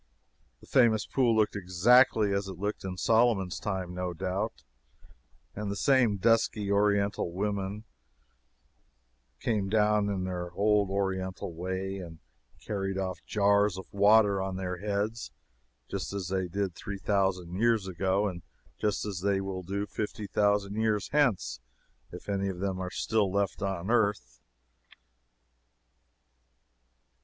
The famous pool looked exactly as it looked in Solomon's time, no doubt, and the same dusky, Oriental women, came down in their old Oriental way, and carried off jars of the water on their heads, just as they did three thousand years ago, and just as they will do fifty thousand years hence if any of them are still left on earth.